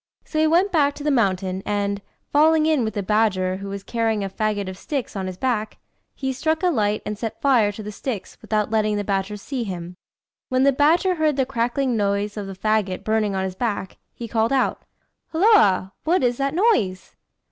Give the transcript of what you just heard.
So he went back to the mountain, and, falling in with the badger, who was carrying a faggot of sticks on his back, he struck a light and set fire to the sticks, without letting the badger see him. When the badger heard the crackling noise of the faggot burning on his back, he called out "Holloa! what is that noise?"